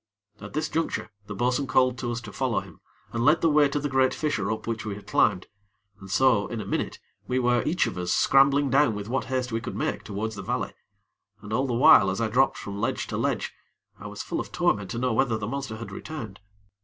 At this juncture, the bo'sun called to us to follow him, and led the way to the great fissure up which we had climbed, and so, in a minute, we were, each of us, scrambling down with what haste we could make towards the valley. And all the while as I dropped from ledge to ledge, I was full of torment to know whether the monster had returned.